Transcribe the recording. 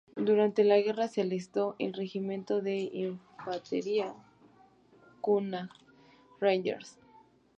Durante la guerra se alistó en el Regimiento de Infantería Connaught Rangers.